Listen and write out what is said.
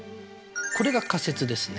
これが仮説ですね。